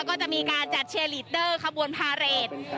ก็จะมีการจัดเชียร์ลีเตอร์ขบวนพาเรท